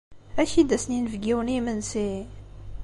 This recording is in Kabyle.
Ad k-id-asen yinebgiwen i yimensi?